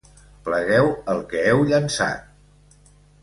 Plegueu el que heu llençat!